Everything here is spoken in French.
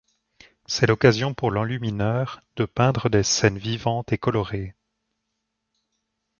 C'est l'occasion pour l'enlumineur de peindre des scènes vivantes et colorées.